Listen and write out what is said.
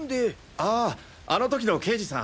あああの時の刑事さん。